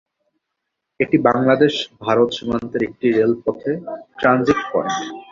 এটি বাংলাদেশ-ভারত সীমান্তের একটি রেলপথে ট্রানজিট পয়েন্ট।